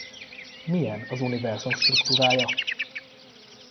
Milyen az univerzum struktúrája?